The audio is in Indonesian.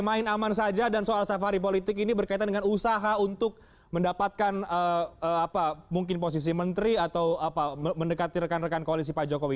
main aman saja dan soal safari politik ini berkaitan dengan usaha untuk mendapatkan mungkin posisi menteri atau mendekati rekan rekan koalisi pak jokowi